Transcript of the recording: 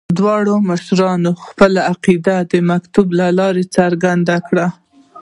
دواړو مشرانو خپله عقیده د مکتوب له لارې څرګنده کړې.